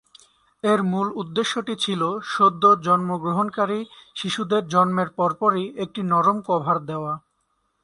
এর মূল উদ্দেশ্যটি ছিল সদ্য জন্মগ্রহণকারী শিশুদের জন্মের পরপরই একটি নরম কভার দেওয়া।